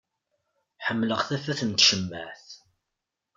Ḥemmleɣ tafat n tcemmaεt.